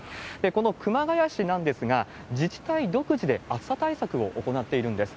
この熊谷市なんですが、自治体独自で暑さ対策を行っているんです。